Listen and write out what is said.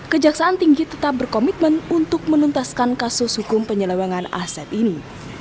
kejaksaan tinggi tetap berkomitmen untuk menuntaskan kasus hukum penyelewengan aset ini